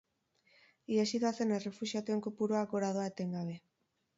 Ihesi doazen errefuxiatuen kopurua gora doa etengabe.